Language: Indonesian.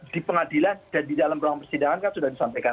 di pengadilan dan di dalam ruang persidangan kan sudah disampaikan